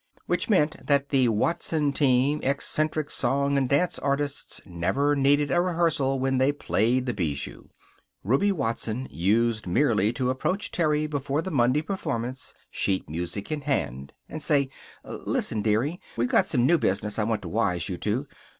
Which meant that the Watson Team, Eccentric Song and Dance Artists, never needed a rehearsal when they played the Bijou. Ruby Watson used merely to approach Terry before the Monday performance, sheet music in hand, and say, "Listen, dearie. We've got some new business I want to wise you to.